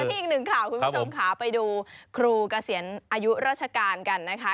ที่อีกหนึ่งข่าวคุณผู้ชมค่ะไปดูครูเกษียณอายุราชการกันนะคะ